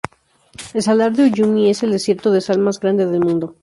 El Salar de Uyuni es el desierto de sal más grande del mundo.